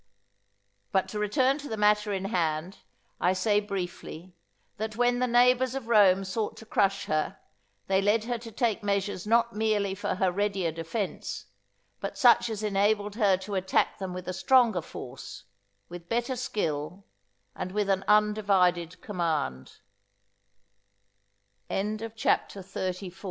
But to return to the matter in hand, I say briefly, that when the neighbours of Rome sought to crush her, they led her to take measures not merely for her readier defence, but such as enabled her to attack them with a stronger force, with better skill, and with an undivided command. CHAPTER XXXV—_W